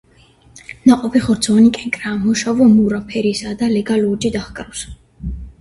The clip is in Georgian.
ნაყოფი ხორცოვანი კენკრაა, მოშავო-მურა ფერისაა და ლეგა ლურჯი დაჰკრავს.